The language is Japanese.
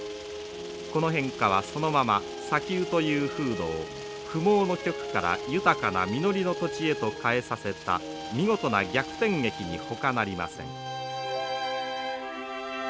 この変化はそのまま砂丘という風土を不毛の極から豊かな実りの土地へと変えさせた見事な逆転劇にほかなりません。